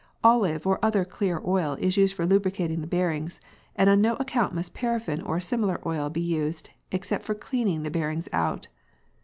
Olive or other clear oil is used for lubricating the bearings, and on no account must paraffin or a similar oil be used, except for cleaning the bearings out.